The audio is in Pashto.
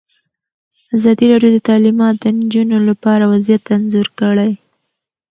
ازادي راډیو د تعلیمات د نجونو لپاره وضعیت انځور کړی.